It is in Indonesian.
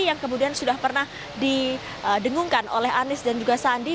yang kemudian sudah pernah didengungkan oleh anies dan juga sandi